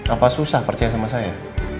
apa susah percaya sama saya